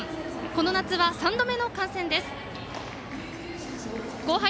この夏は３度目の観戦です。